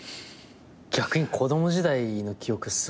逆に子供時代の記憶すっごい薄いです。